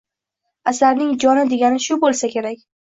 Asarning joni degani shu bo’lsa kerak.